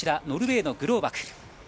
ノルウェーのグローバク。